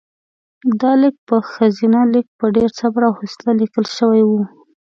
دا لیک په ښځینه لیک په ډېر صبر او حوصلې لیکل شوی و.